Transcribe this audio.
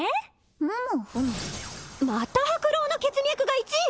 ふむふむまた白狼の血脈が１位？